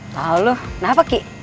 lalu kenapa ki